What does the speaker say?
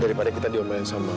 daripada kita diomelin sama mama